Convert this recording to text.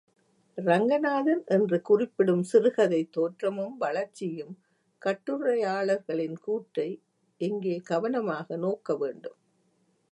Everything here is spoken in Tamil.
ரங்கநாதன்.. என்று குறிப்பிடும் சிறுகதைத் தோற்றமும் வளர்ச்சியும் கட்டுரையாளர்களின் கூற்றை இங்கே கவனமாக நோக்கவேண்டும்.